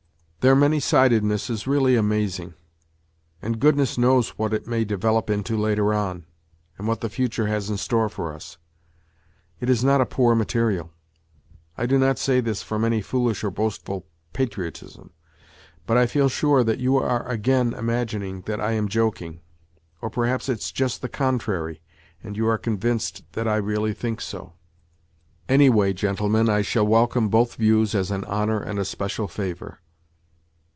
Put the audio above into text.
Their many sidedness is really amazing, and goodness knows what it may develop into later on, and what the future has in store for us. It is not a poor material ! I do not say this from any foolish or boastful patriotism. But I feel sure that you are again imagining that I am joking. Or perhaps it's just the contrary, and you are convinced that I really think so. 86 NOTES FROM UNDERGROUND Anyway, gentlemen, I shall welcome both views as an honour and a special favour.